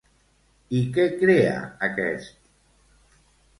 I què crea aquest?